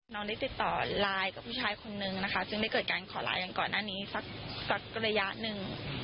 น้องได้ติดต่อไลน์กับผู้ชายคนนึงนะคะซึ่งได้เกิดการขอไลน์กันก่อนหน้านี้สักระยะหนึ่ง